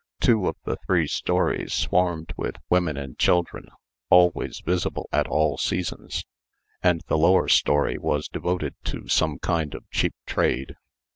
Two of the three stories swarmed with women and children, always visible at all seasons; and the lower story was devoted to some kind of cheap trade.